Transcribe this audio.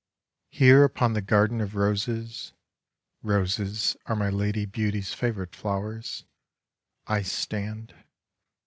Here upon the garden of roses (roses are my Lady Beauty's favourite flowers) I stand.